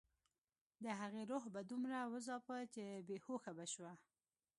د هغې روح به دومره وځاپه چې بې هوښه به شوه